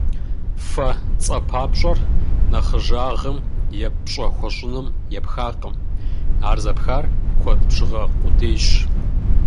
«Фэ» цӏэпапщӏэр нэхъыжьагъым е пщӏэ хуэщӏыным епхакъым, ар зэпхар куэд бжыгъэ къудейщ.